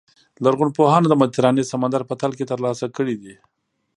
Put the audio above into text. لرغونپوهانو د مدیترانې سمندر په تل کې ترلاسه کړي دي.